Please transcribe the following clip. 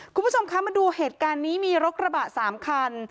คุณผู้ชมคะมาดูเหตุการณ์นี้มีรถกระบะ๓คัน